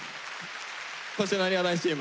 そしてなにわ男子チーム。